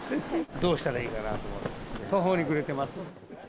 どうしたらいいのかなと、途方に暮れています。